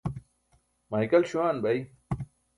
Maykal śuwan bay